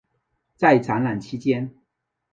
在展览期间。